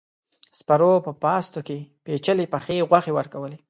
سپرو په پاستو کې پيچلې پخې غوښې ورکولې.